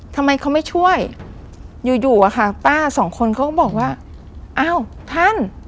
ทำไมเขาไม่ช่วยอยู่อยู่อะค่ะป้าสองคนเขาก็บอกว่าอ้าวท่าน